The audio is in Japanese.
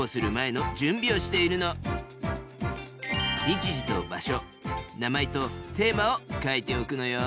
日時と場所名前とテーマを書いておくのよ。